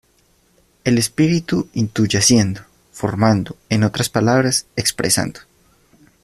El espíritu intuye haciendo, formando: en otras palabras, expresando.